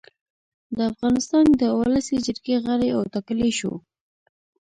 د افغانستان د اولسي جرګې غړی اوټاکلی شو